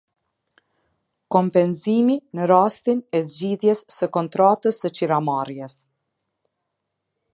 Kompensimi në rastin e zgjidhjes së kontratës së qiramarrjes.